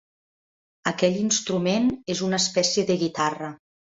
Aquell instrument és una espècie de guitarra.